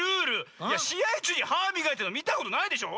しあいちゅうにはみがいてるのみたことないでしょ！